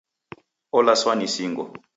Olaswa ni singo.